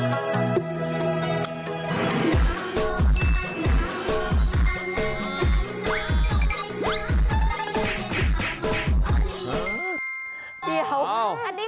อันนี้คืออะไร